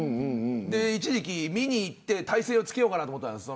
一時期、見にいって、耐性をつけようかと思ったんです。